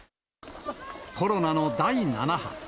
コロナの第７波。